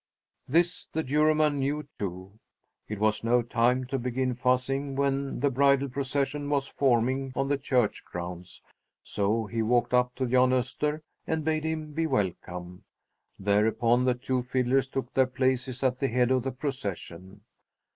This the Juryman knew, too! It was no time to begin fussing when the bridal procession was forming on the church grounds; so he walked up to Jan Öster and bade him be welcome. Thereupon the two fiddlers took their places at the head of the procession.